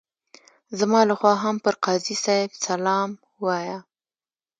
زما لخوا هم پر قاضي صاحب سلام ووایه.